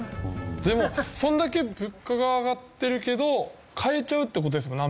でもそれだけ物価が上がってるけど買えちゃうって事ですもんね